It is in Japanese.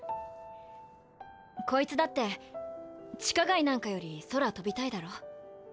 こいつだって地下街なんかより空飛びたいだろ？